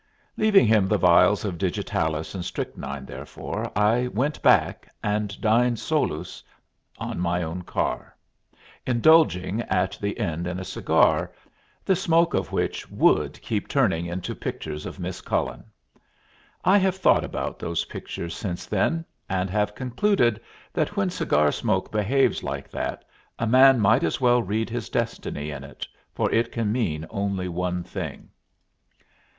Leaving him the vials of digitalis and strychnine, therefore, I went back, and dined solus on my own car, indulging at the end in a cigar, the smoke of which would keep turning into pictures of Miss Cullen. I have thought about those pictures since then, and have concluded that when cigar smoke behaves like that, a man might as well read his destiny in it, for it can mean only one thing.